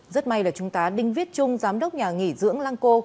rất may là chúng ta đinh viết chung giám đốc nhà nghỉ dưỡng lang co